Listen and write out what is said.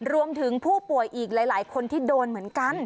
รวมถึงผู้ป่วยอีกหลายคนที่โดนเหมือนกัน